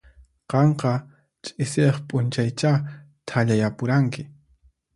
Qanqa ch'isiaq p'unchaychá thallayapuranki.